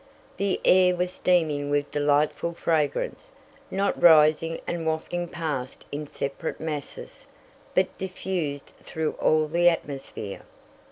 The air was steaming with delightful fragrance, not rising and wafting past in separate masses, but diffused through all the atmosphere.